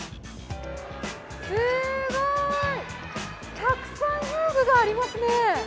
すごーい、たくさん遊具がありますね。